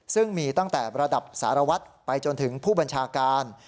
ซึ่งมีตั้งแต่ระดับสารวัตรไปจนถึงผู้บัญชาการ